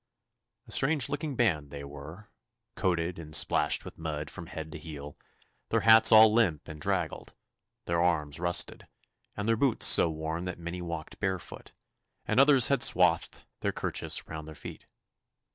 A strange looking band they were, coated and splashed with mud from head to heel, their hats all limp and draggled, their arms rusted, and their boots so worn that many walked barefoot, and others had swathed their kerchiefs round their feet.